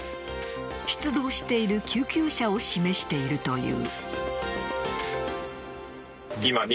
出動している救急車を示しているという。